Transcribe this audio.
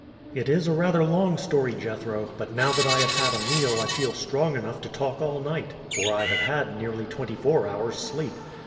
"It is rather a long story, Jethro; but now that I have had a meal I feel strong enough to talk all night, for I have had nearly twenty four hours' sleep.